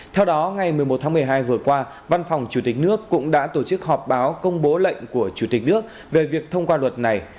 theo đó ngày một mươi một tháng một mươi hai vừa qua văn phòng chủ tịch nước cũng đã tổ chức họp báo công bố lệnh của chủ tịch nước về việc thông qua luật này